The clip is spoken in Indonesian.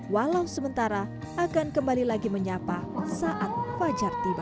walau sementara akan kembali lagi menyapa saat fajar tiba